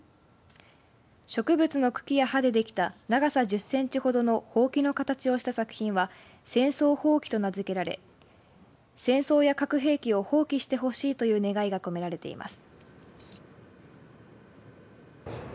植物の茎や葉でできた長さ１０センチほどのほうきの形をした作品は戦争ホウキと名付けられ戦争や核兵器を放棄してほしいという願いが込められています。